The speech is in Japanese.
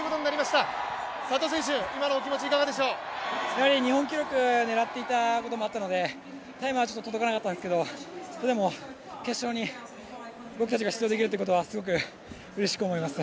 やはり日本記録を狙っていたところもあったのでタイムは届かなかったんですけどそれでも決勝に僕たちが出場できるっていうことはすごくうれしく思います。